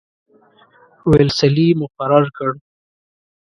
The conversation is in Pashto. ویلسلي مقرر کړ.